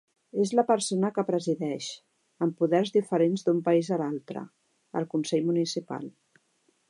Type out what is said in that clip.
És la persona que presideix, amb poders diferents d'un país a l'altre, el consell municipal.